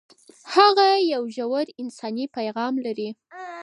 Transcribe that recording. هغه یو ژور انساني پیغام لري.